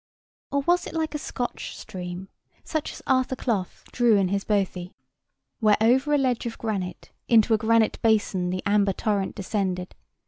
Or was it like a Scotch stream, such as Arthur Clough drew in his "Bothie":— "Where over a ledge of granite Into a granite bason the amber torrent descended.